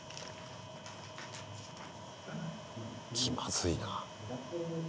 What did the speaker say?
気まずいな。